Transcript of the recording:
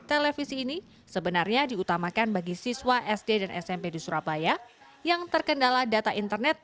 televisi ini sebenarnya diutamakan bagi siswa sd dan smp di surabaya yang terkendala data internet